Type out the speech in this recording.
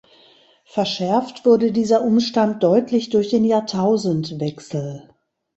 Verschärft wurde dieser Umstand deutlich durch den Jahrtausendwechsel.